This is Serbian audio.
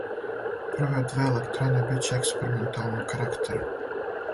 Прве две електране биће експерименталног карактера.